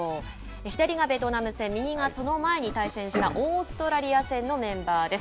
左がベトナム戦右がその前に対戦したオーストラリア戦です。